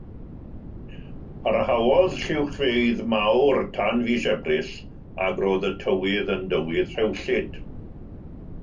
Parhaodd lluwchfeydd mawr tan fis Ebrill ac roedd y tywydd yn dywydd rhewllyd.